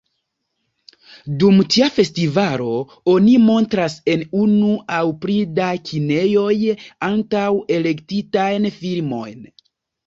Dum tia festivalo, oni montras en unu aŭ pli da kinejoj antaŭ-elektitajn filmojn.